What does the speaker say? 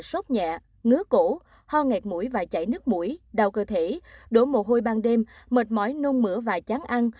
sốt nhẹ ngứa cổ ho ngạt mũi và chảy nước mũi đau cơ thể đổ mồ hôi ban đêm mệt mỏi nung mửa và chán ăn